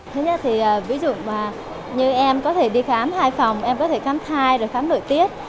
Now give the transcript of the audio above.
thứ nhất thì ví dụ như em có thể đi khám hai phòng em có thể khám thai rồi khám nội tiết